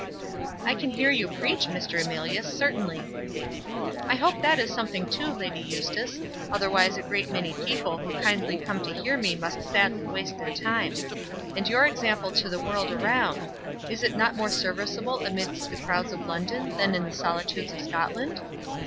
"I can hear you preach, Mr. Emilius, certainly." "I hope that is something, too, Lady Eustace; otherwise a great many people who kindly come to hear me must sadly waste their time. And your example to the world around; is it not more serviceable amidst the crowds of London than in the solitudes of Scotland?